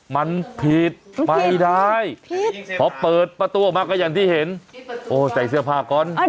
มันผิดไม่ได้พอเปิดประตูออกมาก็อย่างที่เห็นโอ้ใส่เสื้อผ้าก่อน